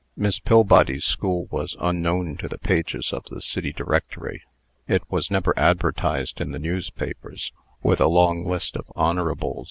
Miss Pillbody's school was unknown to the pages of the City Directory. It was never advertised in the newspapers, with a long list of "Hons."